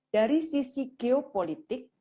dari sisi geopolitik